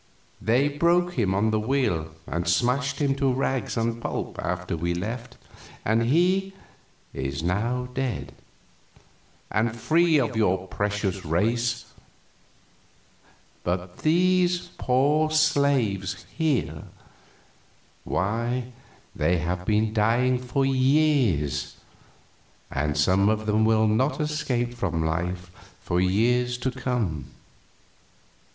They broke him on the wheel and smashed him to rags and pulp after we left, and he is dead now, and free of your precious race; but these poor slaves here why, they have been dying for years, and some of them will not escape from life for years to come.